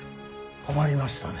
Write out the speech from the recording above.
困りましたね。